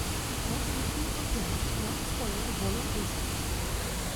The eggs need to be organic to not spoil the royal pastries.